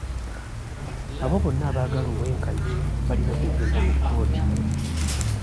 Abo bonna abagala obw'enkanya balina kugenda mu kkooti.